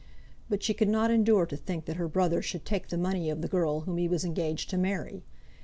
But she could not endure to think that her brother should take the money of the girl whom he was engaged to marry.